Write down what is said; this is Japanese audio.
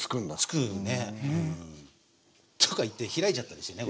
つくねうん。とか言って開いちゃったりしてね